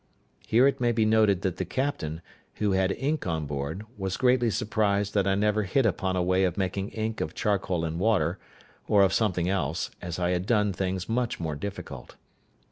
Here it may be noted that the captain, who had ink on board, was greatly surprised that I never hit upon a way of making ink of charcoal and water, or of something else, as I had done things much more difficult.